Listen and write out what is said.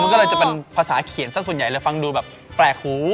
มันก็เลยจะเป็นภาษาเขียนสักส่วนใหญ่เลยฟังดูแบบแปลกหู